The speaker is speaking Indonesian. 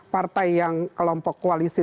partai yang kelompok koalisi